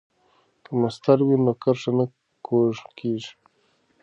که مسطر وي نو کرښه نه کوږ کیږي.